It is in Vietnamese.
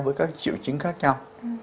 với các triệu chứng khác nhau